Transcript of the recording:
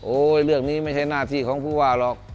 เรื่องนี้ไม่ใช่หน้าที่ของผู้ว่าหรอก